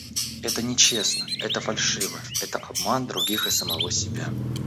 Это нечестно, это фальшиво, это обман других и самого себя.